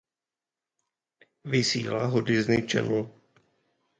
Vysílá ho Disney Channel.